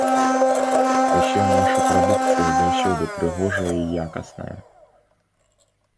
Уся наша прадукцыя заўсёды прыгожая і якасная.